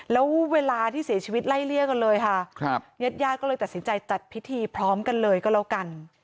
แล้วเวลาที่เสียชีวิตไล่เลี่ยกันเลยค่ะครับญาติญาติก็เลยตัดสินใจจัดพิธีพร้อมกันเลยก็แล้วกัน